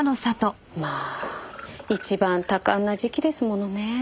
まあ一番多感な時期ですものね。